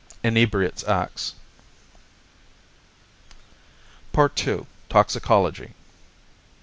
Inebriates Acts 78 PART II TOXICOLOGY I.